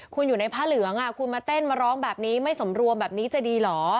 คุณอยู่ในผ้าเหลืองคุณมาเต้นมาร้องแบบนี้ไม่สมรวมแบบนี้จะดีเหรอ